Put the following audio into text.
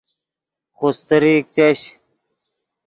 خوستریک چش